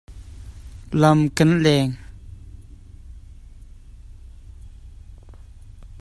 Lung a rualmi kha ka pu a si i a lungrual cungah pangpar a kheu.